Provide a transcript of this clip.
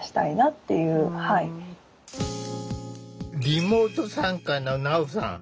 リモート参加のなおさん。